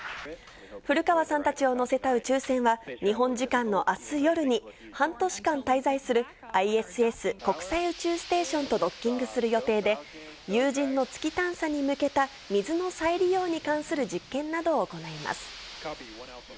古川さんたちを乗せた宇宙船は、日本時間のあす夜に、半年間滞在するＩＳＳ・国際宇宙ステーションとドッキングする予定で、有人の月探査に向けた水の再利用に関する実験などを行います。